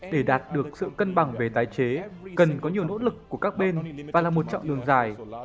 để đạt được sự cân bằng về tái chế cần có nhiều nỗ lực của các bên và là một chặng đường dài